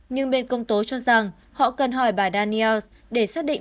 nhưng bên công tố cho rằng họ cần hỏi bà daniels để xác định